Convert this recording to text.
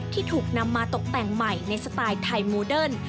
ที่ถูกนำมาตกแต่งใหม่ในสไตล์ไทยโมเดิร์น